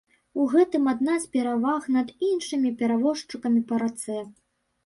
У гэтым адна з пераваг над іншымі перавозчыкамі па рацэ.